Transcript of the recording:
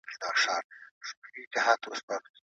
زه څه اړتيا ورته لرم ههههه .